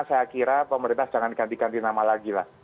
saya kira pemerintah jangan ganti ganti nama lagi lah